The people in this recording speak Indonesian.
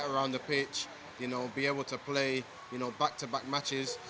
tapi saya pikir yang paling penting untuk kita adalah mentalitas